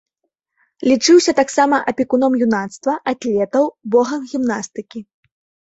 Лічыўся таксама апекуном юнацтва, атлетаў, богам гімнастыкі.